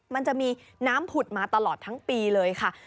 มันจะมีน้ำผุดมาตลอดทั้งปีเลยค่ะ